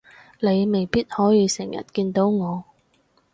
你未必可以成日見到我